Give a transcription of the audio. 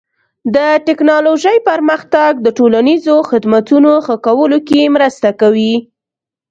د ټکنالوژۍ پرمختګ د ټولنیزو خدمتونو ښه کولو کې مرسته کوي.